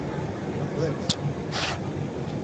¡A foderse!